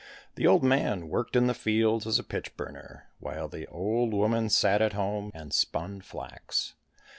The old man worked in the fields as a pitch burner, while the old woman sat at home and spun flax.